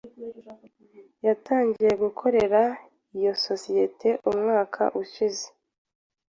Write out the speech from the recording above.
Yatangiye gukorera iyo sosiyete umwaka ushize.